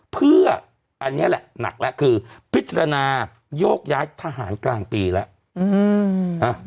เพื่ออันนี้แหละหนักแล้วคือพิจารณาโยกย้ายทหารกลางปีแล้ว